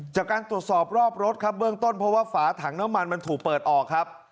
จากการตรวจสอบรอบรถครับเบื้องต้นเพราะว่าฝาถังน้ำมันมันถูกเปิดออกครับ